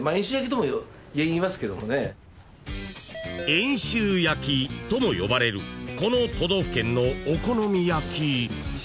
［遠州焼きとも呼ばれるこの都道府県のお好み焼き］